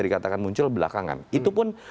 dikatakan muncul belakangan itu pun